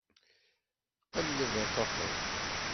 Qelleb ad tafeḍ.